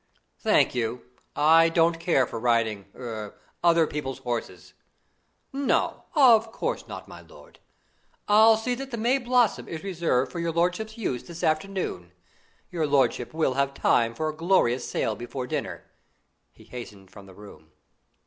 "Thank you; I don't care for riding er other people's horses." "No; of course not, my lord. I'll see that the May blossom is reserved for your lordship's use this afternoon. Your lordship will have time for a glorious sail before dinner." He hastened from the room.